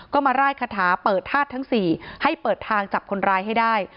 ก็มาไล่คาถาเปิดทาสทั้งสี่ให้เปิดทางจับคนรายให้ได้